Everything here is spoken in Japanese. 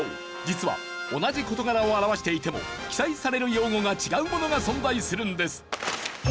実は同じ事柄を表していても記載される用語が違うものが存在するんです。